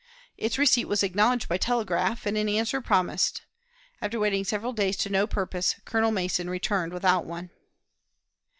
Its receipt was acknowledged by telegraph, and an answer promised. After waiting several days to no purpose. Colonel Mason returned without one."